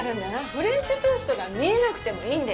フレンチトーストが見えなくてもいいので。